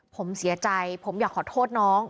ผมเสียใจผมอยากขอโทษน้อง